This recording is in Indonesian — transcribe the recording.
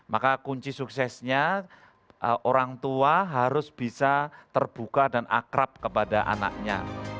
maka kunci suksesnya orang tua harus bisa terbuka dan akrab kepada anaknya